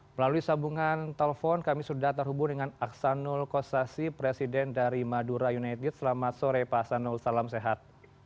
melalui sambungan telepon kami sudah terhubung dengan aksanul kossasi presiden dari madura united selamat sore pak aksanul salam sehat